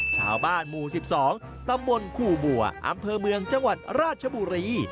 ชาวบ้านหมู่๑๒ตำบลขู่บัวอำเภอเมืองจังหวัดราชบุรี